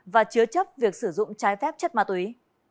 và chứa chấp việc sử dụng trái phép chất ma túy